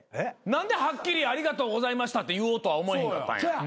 何ではっきりありがとうございましたって言おうとは思えへんかったんや？